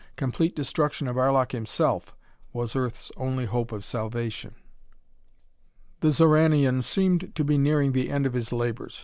Complete destruction of Arlok himself was Earth's only hope of salvation. The Xoranian seemed to be nearing the end of his labors.